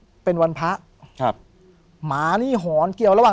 ผมก็ไม่เคยเห็นว่าคุณจะมาทำอะไรให้คุณหรือเปล่า